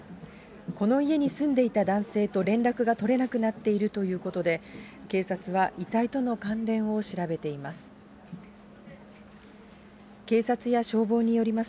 この家に住んでいた男性と連絡が取れなくなっているということで、警察は遺体との関連を調べています。